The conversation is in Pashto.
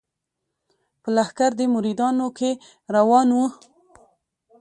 په لښکر د مریدانو کي روان وو